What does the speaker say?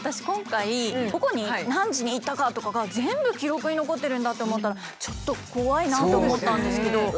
今回どこに何時に行ったかとかが全部記録に残ってるんだって思ったらちょっと怖いなって思ったんですけど。